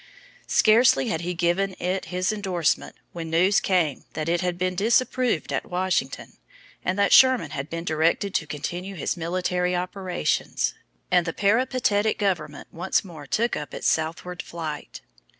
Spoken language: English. Scarcely had he given it his indorsement when news came that it had been disapproved at Washington, and that Sherman had been directed to continue his military operations; and the peripatetic government once more took up its southward flight.